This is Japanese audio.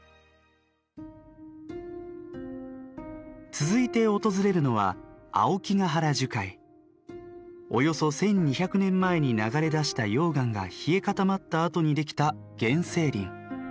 続いて訪れるのはおよそ１，２００年前に流れ出した溶岩が冷え固まったあとに出来た原生林。